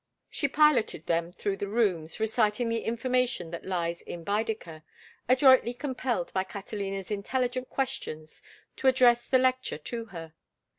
She piloted them through the rooms, reciting the information that lies in Baedeker, adroitly compelled by Catalina's intelligent questions to address the lecture to her.